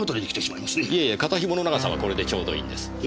いえいえ肩紐の長さはこれでちょうどいいんです。え？